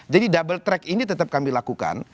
jadi double track ini tetap kami lakukan